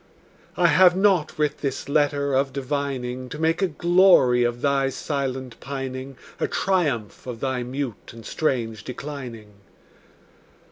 I have not writ this letter of divining To make a glory of thy silent pining, A triumph of thy mute and strange declining.